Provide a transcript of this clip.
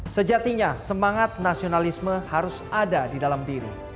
sejatinya semangat nasionalisme harus ada di dalam diri